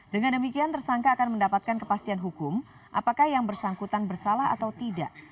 dengan demikian tersangka akan mendapatkan kepastian hukum apakah yang bersangkutan bersalah atau tidak